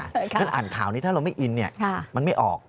ฉันอ่านข่าวนี้ถ้าเราไม่อินเนี่ยมันไม่ออก